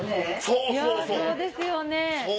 そうですよね。